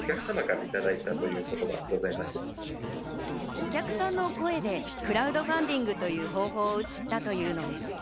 お客さんの声でクラウドファンディングという方法を知ったというのです。